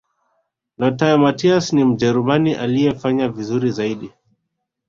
lotthae mattaus ni mjerumani aliyefanya vizuri zaidi